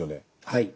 はい。